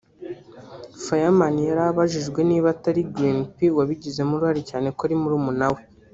Fireman yari abajijwe niba ataba ari Green P wabigizemo uruhare cyane ko ari umuvandimwe we